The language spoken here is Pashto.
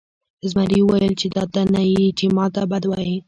زمري وویل چې دا ته نه یې چې ما ته بد وایې.